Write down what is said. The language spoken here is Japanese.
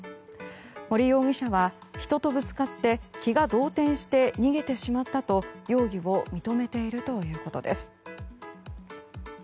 森容疑者は人とぶつかって気が動転して逃げてしまったと、容疑を認めているということです。